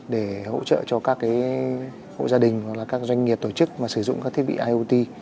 để hỗ trợ cho các hộ gia đình hoặc là các doanh nghiệp tổ chức mà sử dụng các thiết bị iot